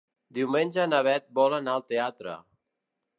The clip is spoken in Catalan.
Diumenge na Beth vol anar al teatre.